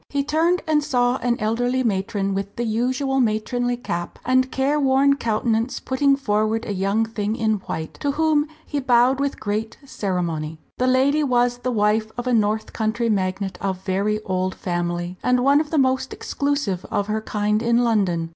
He turned and saw an elderly matron with the usual matronly cap and careworn countenance putting forward a young thing in white, to whom he bowed with great ceremony. The lady was the wife of a north country magnate of very old family, and one of the most exclusive of her kind in London.